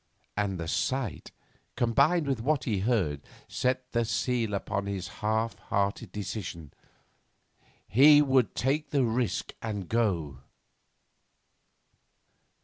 And the sight, combined with what he heard, set the seal upon his half hearted decision. He would take the risk and go.